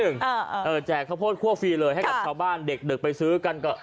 แจกข้าวโพดคั่วฟรีเลยให้กับชาวบ้านเด็กไปซื้อกันก็